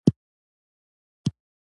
د ټوپک د خولې ښکنځلې مې ډېرې اورېدلې دي.